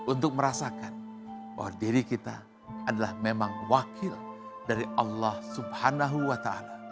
untuk merasakan bahwa diri kita adalah memang wakil dari allah swt